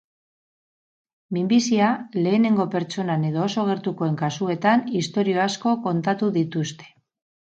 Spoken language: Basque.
Minbizia lehenengo pertsonan edo oso gertukoen kasuetan istorio asko kontatu dituzte.